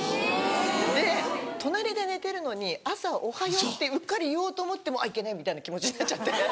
で隣で寝てるのに朝「おはよう」ってうっかり言おうと思っても「あっいけねえ」みたいな気持ちになっちゃって。